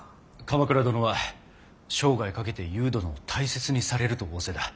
鎌倉殿は生涯かけてゆう殿を大切にされると仰せだ。